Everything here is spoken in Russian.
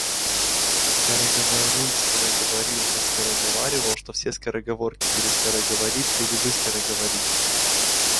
Скороговорун скороговорил, выскороговаривал, что все скороговорки перескороговорит, перевыскороговорит.